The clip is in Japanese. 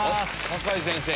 酒井先生！